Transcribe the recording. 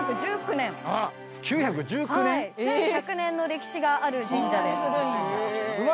９１９年⁉１，１００年の歴史がある神社です。